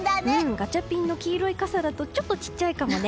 ガチャピンの黄色い傘だとちょっと小さいかもね。